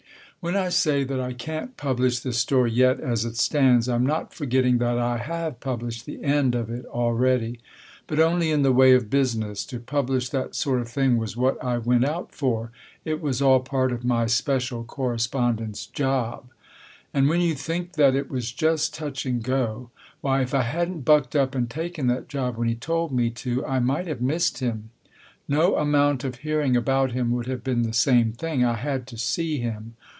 When I say that I can't publish this story yet as it stands, I'm not forgetting that I have published the end of it already. But only in the way of business ; to publish that sort of thing was what I went out for ; it was all part of my Special Correspondent's job. And when you think that it was just touch and go Why, if I hadn't bucked up and taken that job when he told me to I might have missed him. No amount of hearing about him would have been the same thing. I had to see him.